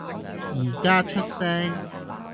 而家出聲